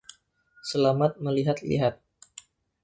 Selamat melihat-lihat.